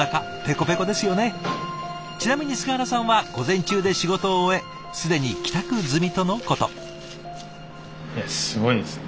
ちなみに菅原さんは午前中で仕事を終え既に帰宅済みとのこと。